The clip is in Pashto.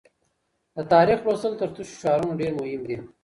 د تاریخ لوستل تر تشو شعارونو ډېر مهم دي.